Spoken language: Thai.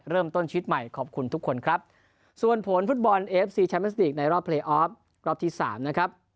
เริ่มต้นชีวิตใหม่ขอบคุณทุกคนครับส่วนผลฟุตบอลเอฟซีแชมเมสติกในรอบเพลย์ออฟรอบที่สามนะครับ